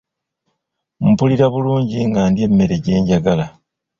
Mpulira bulungi nga ndya emmere gye njagala.